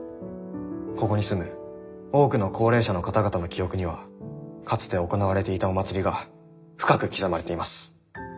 「ここに住む多くの高齢者の方々の記憶にはかつて行われていたお祭りが深く刻まれています。